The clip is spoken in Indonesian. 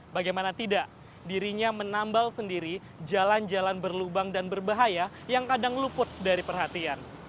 bagaimana tidak dirinya menambal sendiri jalan jalan berlubang dan berbahaya yang kadang luput dari perhatian